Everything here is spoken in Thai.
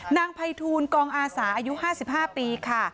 นายภัยทูลกองอาสาอายุ๕๕ปีค่ะ